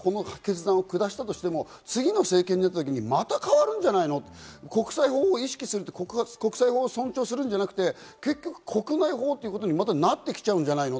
そうなると今、ユン政権がこの決断を下したとしても次の政権になった時に、また変わるんじゃないの？と、国際法を意識する、尊重するんじゃなくて、国内法ということにまたなってきちゃうんじゃないの？